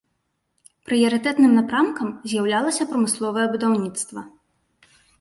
Прыярытэтным напрамкам з'яўлялася прамысловае будаўніцтва.